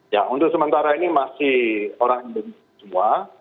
ya untuk sementara ini masih orang indonesia semua